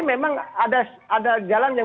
memang ada jalan yang